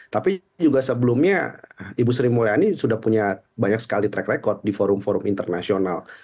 tapi juga sebelumnya ibu sri mulyani sudah punya banyak sekali track record di forum forum internasional